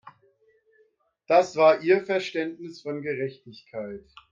Das war ihr Verständnis von Gerechtigkeit.